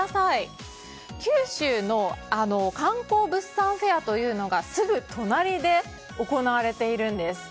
九州の観光物産フェアがすぐ隣で行われているんです。